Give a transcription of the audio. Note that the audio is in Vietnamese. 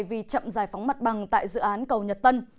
vì chậm giải phóng mặt bằng tại dự án cầu nhật tân